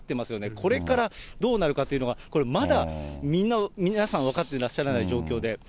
これからどうなるかというのは、これ、まだ皆さん分かってらっしゃらない状況で。